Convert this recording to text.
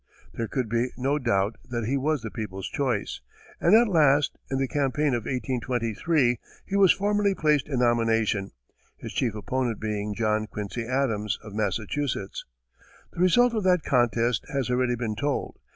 There could be no doubt that he was the people's choice, and at last, in the campaign of 1823, he was formally placed in nomination, his chief opponent being John Quincy Adams, of Massachusetts. The result of that contest has already been told.